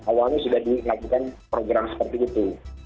awalnya sudah dilakukan program seperti itu